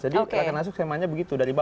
jadi rakernas semuanya begitu dari bawah